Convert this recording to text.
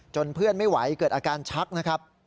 เพื่อนไม่ไหวเกิดอาการชักนะครับ